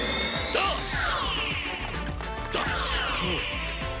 ダーッシュ！